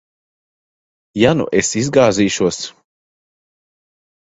Ja nu es izgāzīšos?